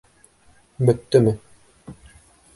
Бөттөмө?